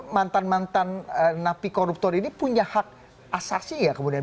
mantan mantan napi koruptor ini punya hak asasi nggak kemudian